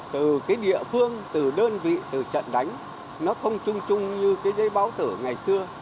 từ địa phương từ đơn vị từ trận đánh nó không chung chung như giấy báo tử ngày xưa